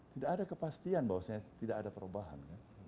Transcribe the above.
tidak ada kepastian bahwasannya tidak ada perubahan